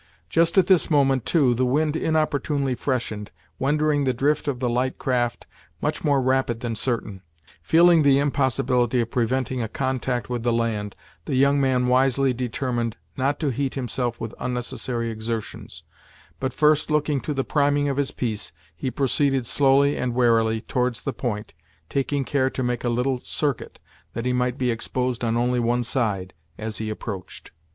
Just at this moment, too, the wind inopportunely freshened, rendering the drift of the light craft much more rapid than certain. Feeling the impossibility of preventing a contact with the land, the young man wisely determined not to heat himself with unnecessary exertions; but first looking to the priming of his piece, he proceeded slowly and warily towards the point, taking care to make a little circuit, that he might be exposed on only one side, as he approached.